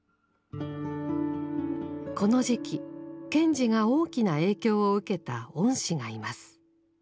この時期賢治が大きな影響を受けた恩師がいます。